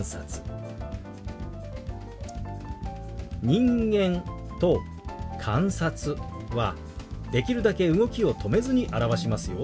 「人間」と「観察」はできるだけ動きを止めずに表しますよ。